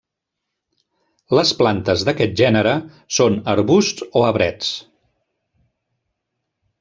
Les plantes d'aquest gènere són arbusts o arbrets.